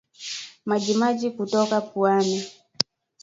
Majimaji kutoka puani